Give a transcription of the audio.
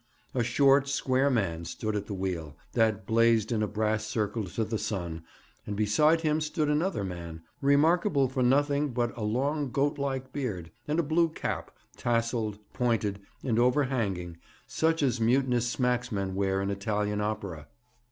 A short, square man stood at the wheel, that blazed in a brass circle to the sun, and beside him stood another man, remarkable for nothing but a long goatlike beard, and a blue cap, tasselled, pointed, and overhanging, such as mutinous smacksmen wear in Italian opera.